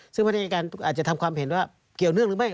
ซึ่งพนักงานอายการอาจจะทำความเห็นว่าเกี่ยวเนื่องหรือไม่